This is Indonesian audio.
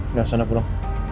tidak sana belum